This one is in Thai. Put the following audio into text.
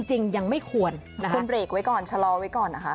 จริงยังไม่ควรคุณเบรกไว้ก่อนชะลอไว้ก่อนนะคะ